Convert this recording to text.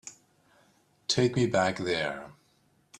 Take me back there.